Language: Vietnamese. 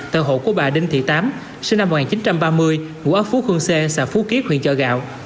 tờ hộ của bà đinh thị tám sinh năm một nghìn chín trăm ba mươi ngũ ốc phú khương xê xã phú kiếp huyện trà gạo